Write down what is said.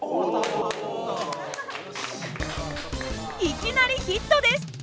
いきなりヒットです。